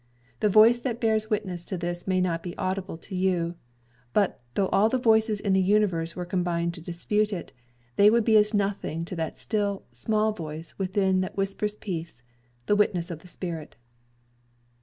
The voice that bears witness to this may not be audible to you; but though all the voices in the universe were combined to dispute it, they would be as nothing to that still, small voice within that whispers peace the witness of the Spirit."